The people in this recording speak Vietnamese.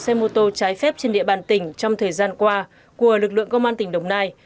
các lò đồ xe mô tô trái phép trên địa bàn tỉnh trong thời gian qua của lực lượng công an tỉnh đồng nai